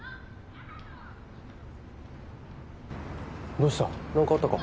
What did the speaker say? どうした何かあったか？